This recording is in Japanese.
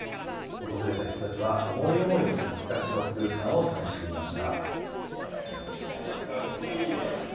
訪れた人たちは思い思いに懐かしの空間を楽しみました。